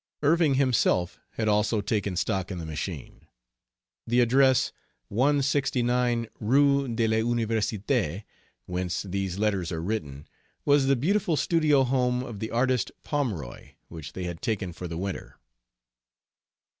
Irving himself had also taken stock in the machine. The address, 169 Rue de l'Universite, whence these letters are written, was the beautiful studio home of the artist Pomroy which they had taken for the winter.